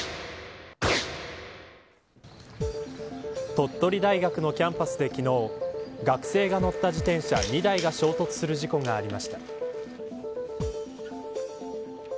鳥取大学のキャンパスで、昨日学生が乗った自転車２台が衝突する事故がありました。